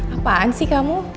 apaan sih kamu